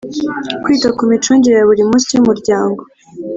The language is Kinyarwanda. kwita ku micungire ya buri munsi y umuryango